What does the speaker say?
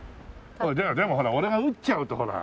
でも俺が打っちゃうとほら。